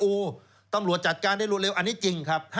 โอ้โหตำรวจจัดการได้รวดเร็วอันนี้จริงครับ